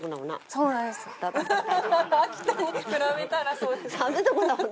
そうなんです。